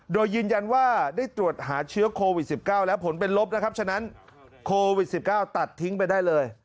โดยยืนยันว่าได้ตรวจหาเชื้อโควิด๑๙แล้วผลเป็นลบนะครับฉะนั้นโควิด๑๙ตัดทิ้งไปได้เลย